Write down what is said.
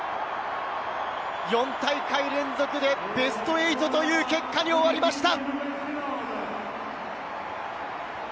４大会連続でベスト８という結果に終わりました。